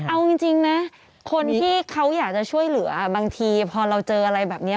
เอาจริงนะคนที่เขาอยากจะช่วยเหลือบางทีพอเราเจออะไรแบบนี้